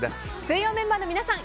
水曜メンバーの皆さん